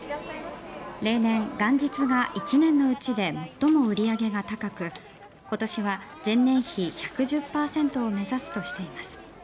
例年、元日が１年のうちで最も売り上げが高く今年は前年比１１０％を目指すとしています。